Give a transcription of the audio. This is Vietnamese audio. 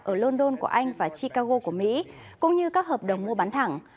ở london của anh và chicago của mỹ cũng như các hợp đồng mua bán thẳng